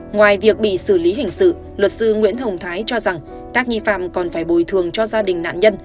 ngoài việc bị xử lý hình sự luật sư nguyễn hồng thái cho rằng các nghi phạm còn phải bồi thường cho gia đình nạn nhân